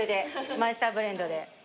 マイスターブレンドで。